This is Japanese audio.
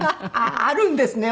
あるんですね。